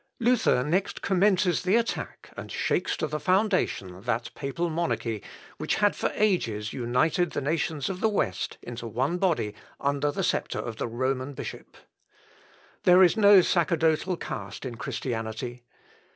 Luther next commences the attack, and shakes to the foundation that papal monarchy which had for ages united the nations of the West into one body under the sceptre of the Roman bishop. There is no sacerdotal caste in Christianity.